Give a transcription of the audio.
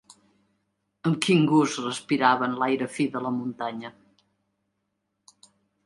Amb quin gust respiraven l'aire fi de la muntanya